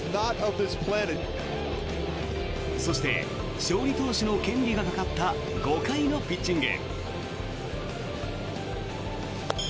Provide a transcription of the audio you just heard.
そして勝利投手の権利がかかった５回のピッチング。